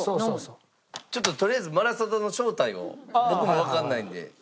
ちょっととりあえずマラサダの正体を僕もわかんないんで。